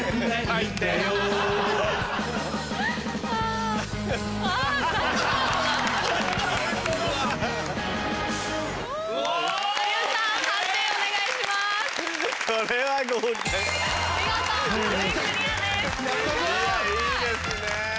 いやいいですね。